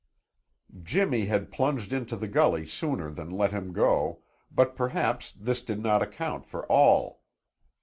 Jimmy had plunged into the gully sooner than let him go, but perhaps this did not account for all.